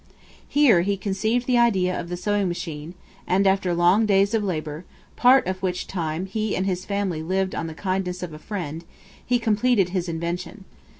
Here he conceived the idea of the sewing machine, and after long days of labor, part of which time he and his family lived on the kindness of a friend, he completed his invention.